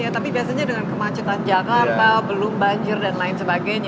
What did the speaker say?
tapi biasanya dengan kemacetan jakarta belum banjir dan lain sebagainya